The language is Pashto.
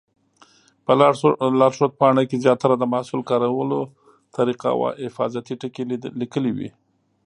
په لارښود پاڼه کې زیاتره د محصول کارولو طریقه او حفاظتي ټکي لیکلي وي.